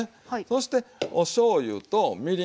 そしておしょうゆとみりん。